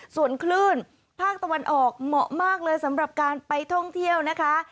ส่วนคลื่นภาคตะวันออกเหมาะมากเลยสำหรับการไปท่องเที่ยวนะคะ